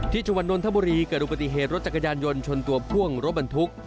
ที่ชวนโดนทะบุรีเกิดลูกปฏิเหตุรถจักรยานยนต์ชนตัวพ่วงรถบรรทุก